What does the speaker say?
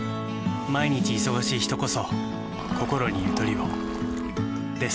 毎日忙しい人こそこころにゆとりをです。